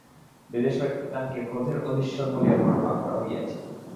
বেদে শয়তানকে ক্রোধের অধীশ্বর বলিয়া বর্ণনা করা হইয়াছে।